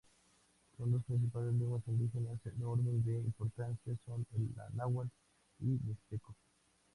Sus dos principales lenguas indígenas en orden de importancia son la Náhuatl y Mixteco.